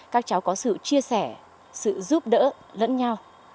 các cháu có sự chia sẻ sự giúp đỡ lẫn nhau